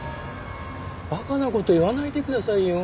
馬鹿な事言わないでくださいよ。